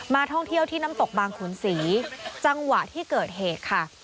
ท่องเที่ยวที่น้ำตกบางขุนศรีจังหวะที่เกิดเหตุค่ะ